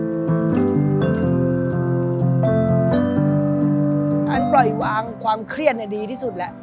การปล่อยวางความเครียดดีที่สุดแล้ว